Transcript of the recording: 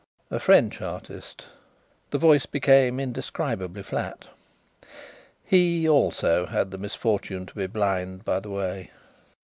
"A French artist." The voice became indescribably flat. "He, also, had the misfortune to be blind, by the way."